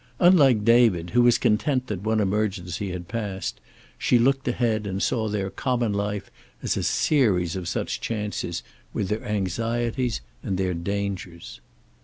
Unlike David, who was content that one emergency had passed, she looked ahead and saw their common life a series of such chances, with their anxieties and their dangers.